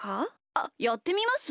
あっやってみます？